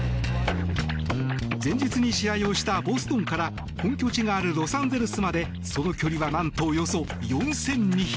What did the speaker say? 前日に試合をしたボストンから本拠地があるロサンゼルスまでその距離は何と、およそ４２００ｋｍ。